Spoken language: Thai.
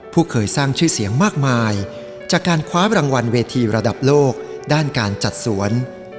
เคยสร้างชื่อเสียงมากมายจากการคว้ารางวัลเวทีระดับโลกด้านการจัดสวน